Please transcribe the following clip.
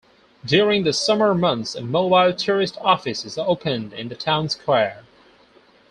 During the summer months, a mobile tourist office is opened in the town square.